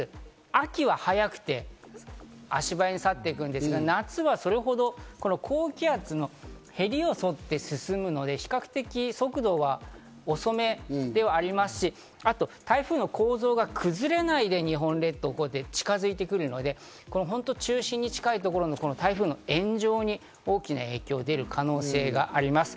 秋は早くて足早に去っていくんですが、夏はそれほど高気圧のへりを沿って進むので比較的速度は遅めではありますし、台風の構造が崩れないで日本列島にこうやって近づいてくるので、中心に近いところの台風の円状に大きな影響が出る可能性があります。